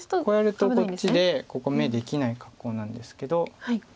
こうやるとこっちでここ眼できない格好なんですけど。